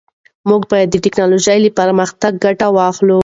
موږ باید د ټیکنالوژۍ له پرمختګ ګټه واخلو.